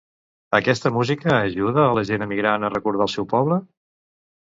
Aquesta música ajuda a la gent emigrant a recordar el seu poble?